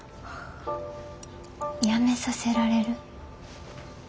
辞めさせられる？